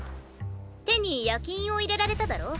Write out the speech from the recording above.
手に焼き印を入れられただろ。